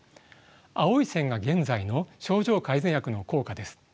青い線が現在の症状改善薬の効果です。